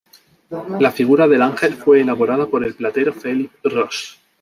La figura del Ángel fue elaborada por el platero Felip Ros.